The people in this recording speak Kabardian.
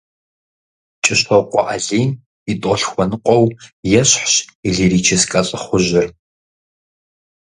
КӀыщокъуэ алим и тӀолъхуэныкъуэу ещхьщ и лирическэ лӀыхъужьыр.